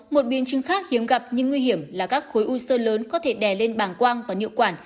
một biến chứng khác hiếm gặp nhưng nguy hiểm là các khối u sơ lớn có thể đè lên bàng quang và nhựa quản